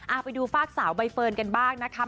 เอาไปดูฝากสาวใบเฟิร์นกันบ้างนะคะ